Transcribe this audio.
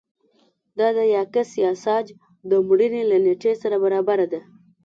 دا د یاکس یاساج د مړینې له نېټې سره برابره ده